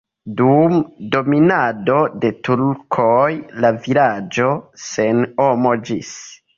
Dum dominado de turkoj la vilaĝo senhomiĝis.